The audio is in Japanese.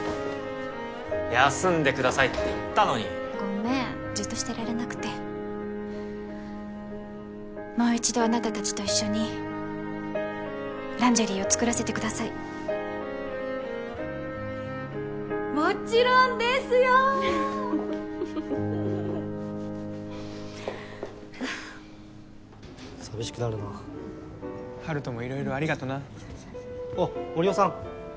休んでくださいって言ったのにごめんじっとしてられなくてもう一度あなた達と一緒にランジェリーを作らせてくださいもちろんですよ寂しくなるな遥人も色々ありがとなおっ森生さん